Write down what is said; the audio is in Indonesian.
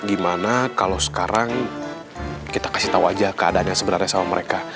gimana kalau sekarang kita kasih tahu aja keadaannya sebenarnya sama mereka